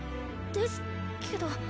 ですけど。